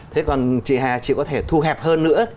thế còn chị hà chị có thể thu hẹp hơn nữa